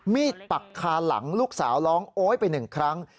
ปักคาหลังลูกสาวร้องโอ๊ยไปหนึ่งครั้ง